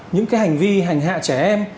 những cái hành vi hành hạ trẻ em